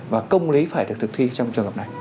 và công lý phải được thực thi trong trường hợp này